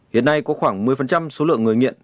hiện nay có khoảng một mươi số lượng người nghiện